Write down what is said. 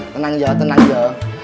tenang ya tenang ya